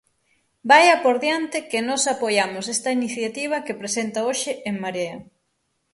Vaia por diante que nós apoiamos esta iniciativa que presenta hoxe En Marea.